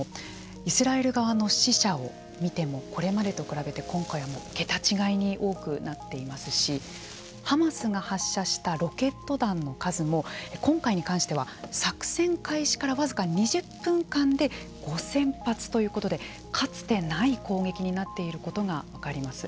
イスラエル側の死者を見てもこれまでと比べて今回は桁違いに大きくなっていますしハマスが発射したロケット弾の数も今回に関しては作戦開始から僅か２０分間で５０００発ということでかつてない攻撃になっていることが分かります。